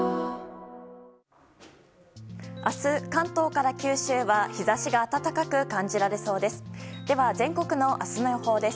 明日、関東から九州は日差しが暖かく感じられそうです。